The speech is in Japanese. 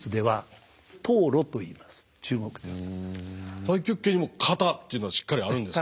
太極拳にも形っていうのはしっかりあるんですか？